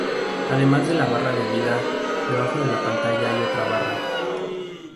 Además de la barra de vida, debajo de la pantalla hay otra barra.